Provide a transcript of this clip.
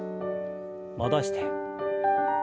戻して。